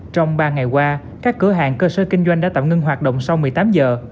trong ba ngày qua các cửa hàng cơ sở kinh doanh đã tạm ngưng hoạt động sau một mươi tám giờ